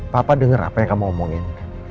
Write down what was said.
papa dengar apa yang kamu omongin